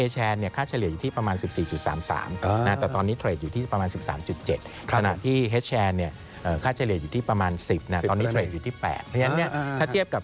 และนั้นเนี่ยเท่าที่เทียบกับ